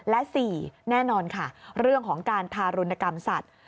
และ๔แน่นอนค่ะเรื่องของการทารุณกรรมสัตว์